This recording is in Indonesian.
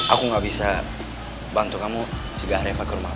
aku gak bisa bantu kamu segera reva ke rumah